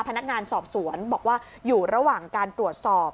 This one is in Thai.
พนักงานสอบสวนบอกว่าอยู่ระหว่างการตรวจสอบ